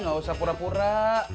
gak usah pura pura